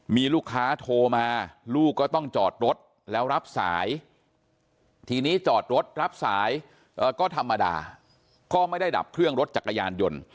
มีลูกค้าโทรมาลูกก็ต้องจอดรถแล้วรับสายทีนี้จอดรถรับสายก็ธรรมดาก็ไม่ได้ดับเครื่องรถจักรยานยนต์